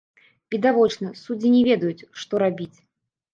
Відавочна, судзі не ведаюць, што рабіць.